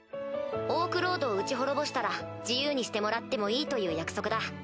オークロードを討ち滅ぼしたら自由にしてもらってもいいという約束だ。